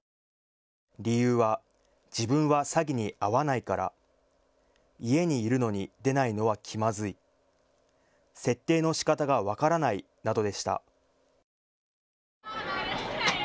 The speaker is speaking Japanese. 理由は自分は詐欺に遭わないから、家にいるのに出ないのは気まずい、設定のしかたが分からない、などでした。